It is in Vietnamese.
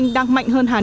đang mạnh hơn hơn hơn